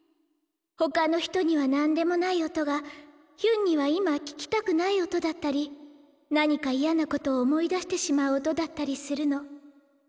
他の人には何でもない音がヒュンには今聴きたくない音だったり何か嫌な事を思い出してしまう音だったりするの。